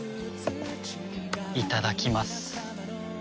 いただきます。